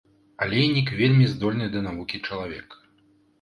Алейнік вельмі здольны да навукі чалавек.